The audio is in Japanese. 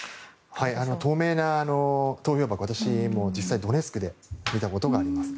透明な投票箱を私も実際にドネツクで見たことがあります。